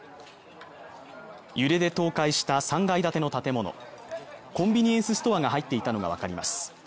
揺れで倒壊した３階建ての建物コンビニエンスストアが入っていたのが分かります